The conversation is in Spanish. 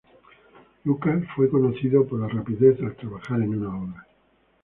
Lucas fue conocido por la rapidez al trabajar en una obra.